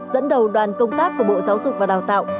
dẫn đầu đoàn công tác của bộ giáo dục và đào tạo